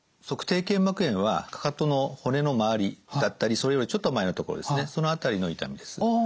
足底腱膜炎はかかとの骨の周りだったりそれよりちょっと前のところですねその辺りの痛みです。